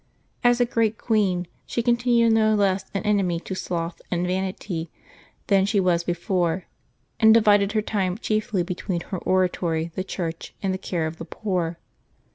As a great queen, she continued no less an enemy to sloth and vanity than she was before, and divided her time chiefly between her ora tory, the Church, and the care of the poor.